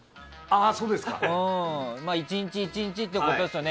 １日１日ということですよね。